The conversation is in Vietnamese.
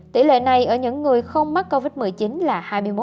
tỷ lệ này ở những người không mắc covid một mươi chín là hai mươi một